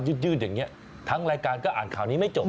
อยู่เดี๋ยวทั้งรายการก็อ่านข้าวนี้ไม่จบ